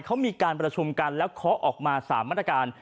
เขามีการประชุมกันแล้วเคาะออกมา๓มาตรการ